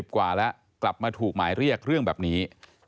กว่าแล้วกลับมาถูกหมายเรียกเรื่องแบบนี้